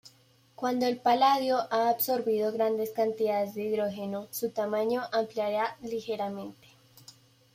Cuando el paladio ha absorbido grandes cantidades de hidrógeno, su tamaño ampliará ligeramente.